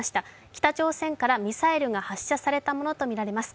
北朝鮮からミサイルが発射されたものとみられます。